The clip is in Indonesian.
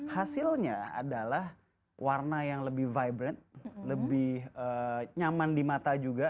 hasilnya adalah warna yang lebih vibran lebih nyaman di mata juga